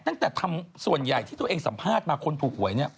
ตั้งแต่ทำส่วนใหญ่ที่ตัวเองสัมภาษณ์มาคนถูกหวยเนี่ย